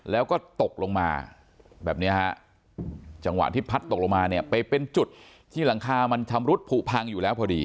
แล้วก็ตกลงมาแบบเนี้ยฮะจังหวะที่พัดตกลงมาเนี่ยไปเป็นจุดที่หลังคามันชำรุดผูพังอยู่แล้วพอดี